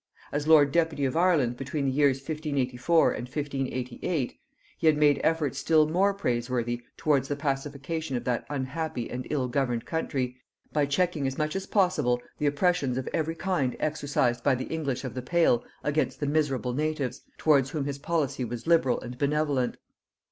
As lord deputy of Ireland between the years 1584 and 1588, he had made efforts still more praiseworthy towards the pacification of that unhappy and ill governed country, by checking as much as possible the oppressions of every kind exercised by the English of the pale against the miserable natives, towards whom his policy was liberal and benevolent.